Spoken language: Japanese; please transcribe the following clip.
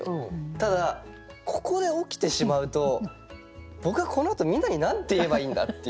ただここで起きてしまうと僕はこのあとみんなに何て言えばいいんだ？っていう。